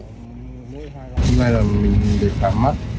hôm nay là mình để khám mắt